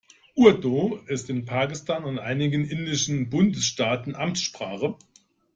Urdu ist in Pakistan und einigen indischen Bundesstaaten Amtssprache.